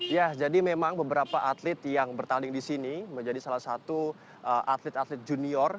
ya jadi memang beberapa atlet yang bertanding di sini menjadi salah satu atlet atlet junior